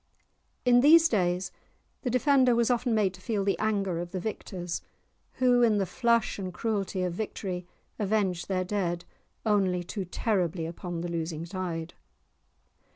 In these days the defender was often made to feel the anger of the victors, who in the flush and cruelty of victory avenged their dead, only too terribly, upon the losing side.